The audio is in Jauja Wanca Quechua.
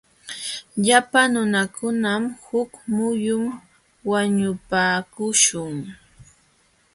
Llapa nunakunam huk muyun wañupaakuśhun.